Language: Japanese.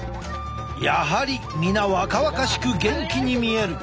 やはり皆若々しく元気に見える。